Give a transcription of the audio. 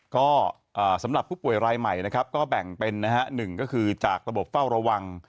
ก็สำหรับผู้ป่วยรายใหม่นะครับก็แบ่งเป็นนะฮะหนึ่งก็คือจากระบบเฝ้าระวัง